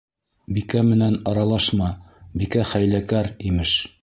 Бикә менән аралашма, Бикә хәйләкәр, имеш.